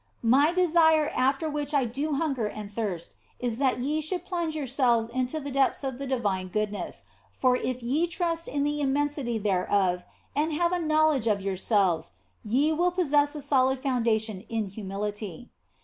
My desire after which I do hunger and thirst is that ye should plunge yourselves into the depths of the divine goodness, for if ye trust in the immensity thereof and have a knowledge of yourselves, ye will possess a solid foundation in humility.